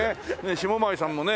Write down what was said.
下舞さんもね